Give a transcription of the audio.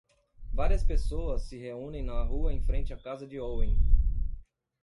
Várias pessoas se reúnem na rua em frente à casa de Owen.